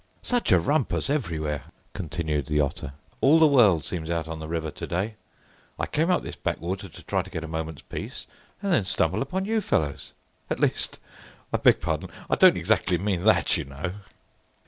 "Such a rumpus everywhere!" continued the Otter. "All the world seems out on the river to day. I came up this backwater to try and get a moment's peace, and then stumble upon you fellows!—At least—I beg pardon—I don't exactly mean that, you know."